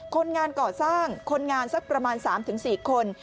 คนงานก่อสร้างคนงานสักประมาณ๓๔คน